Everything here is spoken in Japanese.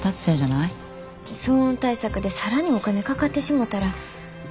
騒音対策で更にお金かかってしもたら。